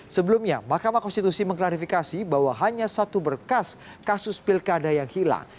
sebelumnya mahkamah konstitusi mengklarifikasi bahwa hanya satu berkas kasus pilkada yang hilang